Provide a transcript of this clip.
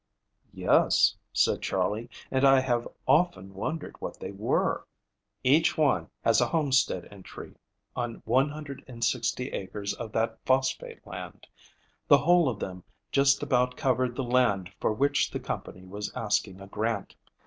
"Yes," said Charley, "and I have often wondered what they were." "Each one has a homestead entry on 160 acres of that phosphate land. The whole of them just about covered the land for which the company was asking a grant.